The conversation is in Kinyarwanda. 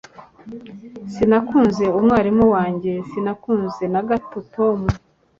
sinakunze umwarimu wanjye. sinakunze na gato tom